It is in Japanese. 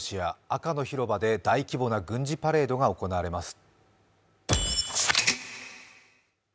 赤の広場で大規模な軍事パレードが行われます。